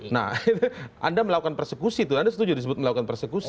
nah anda melakukan persekusi tuh anda setuju disebut melakukan persekusi